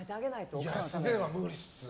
素手は無理っす。